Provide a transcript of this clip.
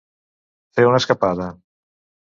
Fer una escapada.